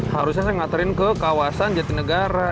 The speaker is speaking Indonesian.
harusnya saya ngaterin ke kawasan jatinegara